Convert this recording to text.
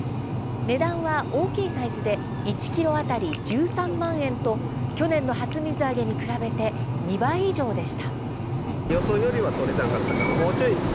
値段は大きいサイズで１ｋｇ当たり１３万円と去年の初水揚げに比べて２倍以上でした。